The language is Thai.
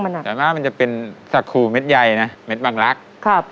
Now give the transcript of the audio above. มันอย่างมากมันจะเป็นสกรไม้ไร้นะแม็งส์แบงกหลักครับ